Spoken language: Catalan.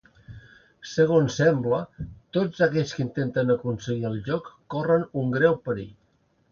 Segons sembla, tots aquells que intenten aconseguir el joc corren un greu perill.